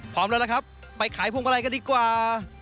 พร้อมแล้วล่ะครับไปขายพวกอะไรกันดีกว่า